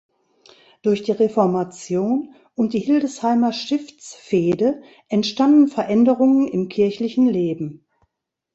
Durch die Reformation und die Hildesheimer Stiftsfehde entstanden Veränderungen im kirchlichen Leben.